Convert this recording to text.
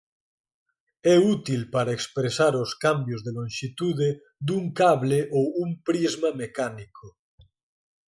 É útil para expresar os cambios de lonxitude dun cable ou un prisma mecánico.